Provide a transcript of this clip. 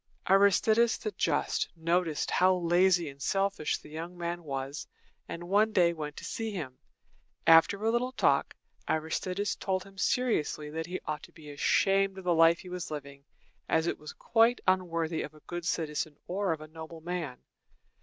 Aristides the Just noticed how lazy and selfish the young man was, and one day went to see him. After a little talk, Aristides told him seriously that he ought to be ashamed of the life he was living, as it was quite unworthy of a good citizen or of a noble man.